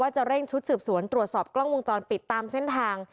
จะเร่งชุดสืบสวนตรวจสอบกล้องวงจรปิดตามเส้นทาง